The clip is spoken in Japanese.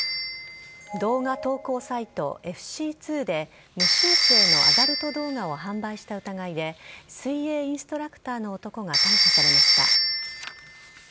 動画投稿サイト、ＦＣ２で、無修正のアダルト動画を販売した疑いで、水泳インストラクターの男が逮捕されました。